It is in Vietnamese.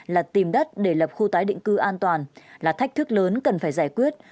là tìm đất để lập khu tái định cư an toàn là thách thức lớn cần phải giải quyết